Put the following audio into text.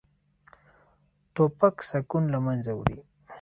توپک سکون له منځه وړي.